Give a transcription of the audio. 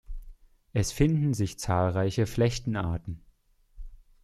Es finden sich zahlreiche Flechtenarten.